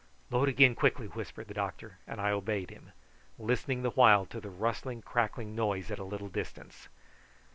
"Load again quickly," whispered the doctor; and I obeyed him, listening the while to the rustling crackling noise at a little distance.